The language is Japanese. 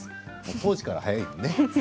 当時から早いのね。